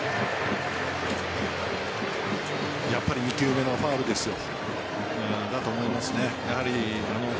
やっぱり２球目のファウルですよ。